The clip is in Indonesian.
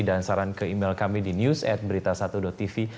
dan saran ke email kami di news at berita satu tv